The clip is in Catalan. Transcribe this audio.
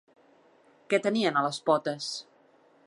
Què tenien a les potes?